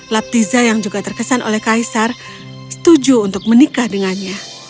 laptiza yang juga terkesan oleh kaisar setuju untuk menikah dengannya